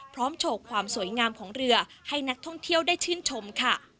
โชว์ความสวยงามของเรือให้นักท่องเที่ยวได้ชื่นชมค่ะ